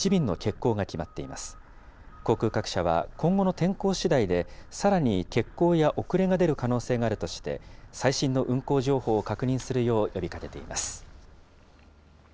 航空各社は、今後の天候しだいで、さらに欠航や遅れが出る可能性があるとして、再審の運航情報を確認するよう呼びかけています。